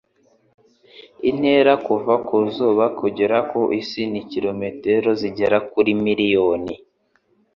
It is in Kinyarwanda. Intera kuva ku zuba kugera ku isi ni kilometero zigera kuri miliyoni .